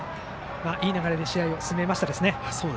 いい流れで試合を進めましたね。